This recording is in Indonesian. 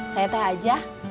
saya teh aja